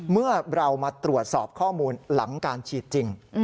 เมื่อเรามาตรวจสอบข้อมูลหลังการฉีดจริง